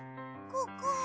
ここは？